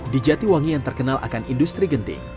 di jatiwangi yang terkenal akan industri genting